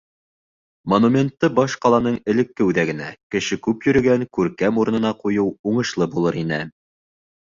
Монументты баш ҡаланың элекке үҙәгенә, кеше күп йөрөгән күркәм урынына ҡуйыу уңышлы булыр ине.